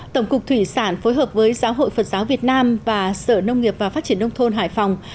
tổng cục thủy sản phối hợp với giáo hội phật giáo việt nam và sở nông nghiệp và phát triển nông thôn hải phòng